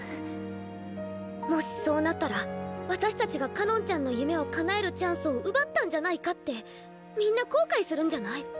もしそうなったら私たちがかのんちゃんの夢を叶えるチャンスを奪ったんじゃないかってみんな後悔するんじゃない？